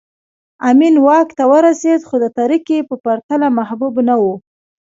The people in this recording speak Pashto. امین واک ته ورسېد خو د ترکي په پرتله محبوب نه و